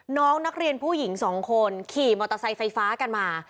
น้องนักเรียนผู้หญิงสองคนขี่มอเตอร์ไซค์ไฟฟ้ากันมา